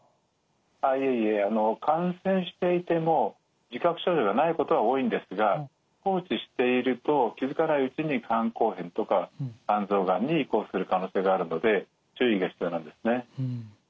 あっいえいえ感染していても自覚症状がないことが多いんですが放置していると気付かないうちに肝硬変とか肝臓がんに移行する可能性があるので注意が必要なんですね。